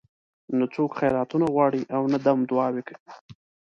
نه څوک خیراتونه غواړي او نه دم دعاوې کوي.